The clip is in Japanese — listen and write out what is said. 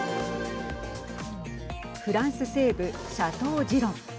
フランス西部シャトージロン。